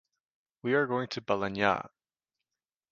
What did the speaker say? We are going to Balenyà.